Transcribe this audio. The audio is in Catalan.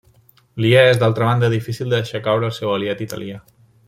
Li és, d'altra banda, difícil, deixar caure el seu aliat italià.